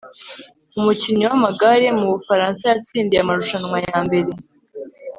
umukinnyi w'amagare mu bufaransa, yatsindiye amarushanwa ya mbere